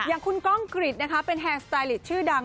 อย่างคุณก้องกฤษนะคะเป็นแฮนดสไตลิดชื่อดัง